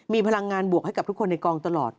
มีพลังงานบวกให้กับทุกคนในกองตลอด